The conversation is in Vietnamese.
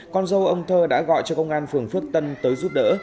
con dâu ông thơ đã gọi cho công an phường phước tân tới giúp đỡ